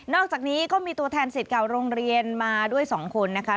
อกจากนี้ก็มีตัวแทนสิทธิ์เก่าโรงเรียนมาด้วย๒คนนะคะ